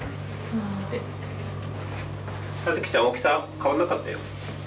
葉月ちゃん大きさ変わらなかったよ。